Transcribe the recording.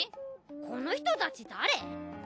この人たち誰？